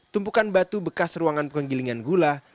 tumpukan batu bekas ruangan penggilingan gula